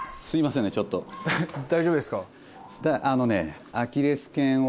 大丈夫ですか？